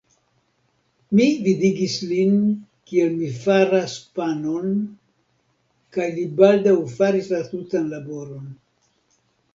Mi vidigis lin, kiel mi faras panon, kaj li baldaŭ faris la tutan laboron.